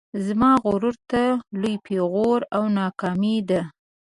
زما غرور ته لوی پیغور او ناکامي ده